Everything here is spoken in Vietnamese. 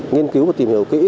nghiên cứu và tìm hiểu kỹ